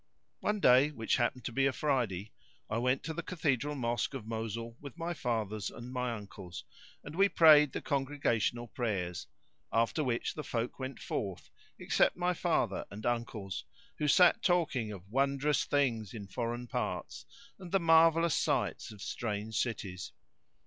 One day which happened to be a Friday, I went to the Cathedral mosque of Mosul with my father and my uncles, and we prayed the congregational prayers, after which the folk went forth, except my father and uncles, who sat talking of wondrous things in foreign parts and the marvellous sights of strange cities.